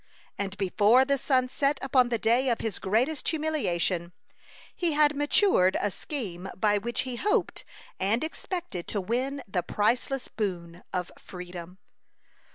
And before the sun set upon the day of his greatest humiliation, he had matured a scheme by which he hoped and expected to win the priceless boon of freedom.